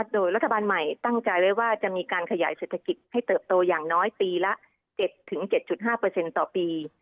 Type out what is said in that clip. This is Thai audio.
โดยรัฐบาลใหม่ตั้งใจไว้ว่าจะมีการขยายเศรษฐกิจให้เติบโตอย่างน้อยปีละ๗๗๕ต่อปี